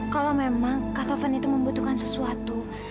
kalau memang katovan itu membutuhkan sesuatu